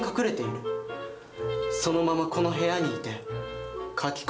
そのままこの部屋にいて書き込みをする。